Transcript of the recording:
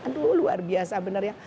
aduh luar biasa benar ya